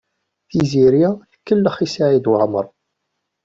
Tiziri tkellex i Saɛid Waɛmaṛ.